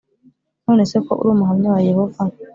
none se ko uri umuhamya wa yehova